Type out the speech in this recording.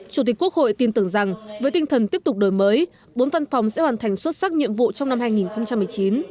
chủ tịch quốc hội tin tưởng rằng với tinh thần tiếp tục đổi mới bốn văn phòng sẽ hoàn thành xuất sắc nhiệm vụ trong năm hai nghìn một mươi chín